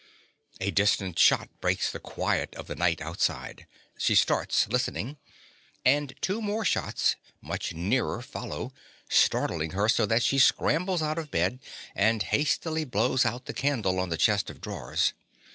(_A distant shot breaks the quiet of the night outside. She starts, listening; and two more shots, much nearer, follow, startling her so that she scrambles out of bed, and hastily blows out the candle on the chest of drawers.